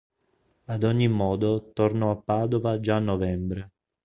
Ad ogni modo tornò a Padova già a novembre.